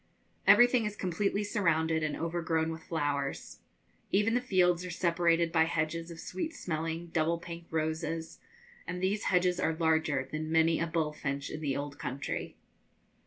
Everything is completely surrounded and overgrown with flowers. Even the fields are separated by hedges of sweet smelling double pink roses, and these hedges are larger than many a 'bull finch' in the old country.